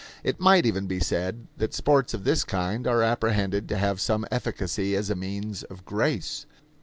It might even be said that sports of this kind are apprehended to have some efficacy as a means of grace.